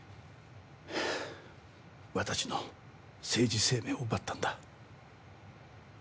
私の政治生命を奪ったんだ。